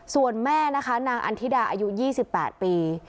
ส่วนแม่นะคะนางอันธิดาอายุ๒๘ปี